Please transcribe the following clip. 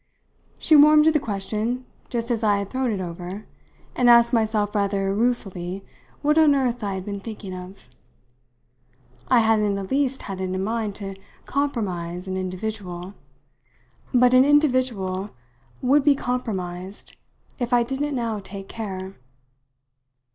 She warmed to the question just as I had thrown it over; and I asked myself rather ruefully what on earth I had been thinking of. I hadn't in the least had it in mind to "compromise" an individual; but an individual would be compromised if I didn't now take care.